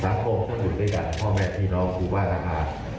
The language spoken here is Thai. สังคมจะถูกใกล้กันคอแม่สี่น้องสู่บ้านอาขา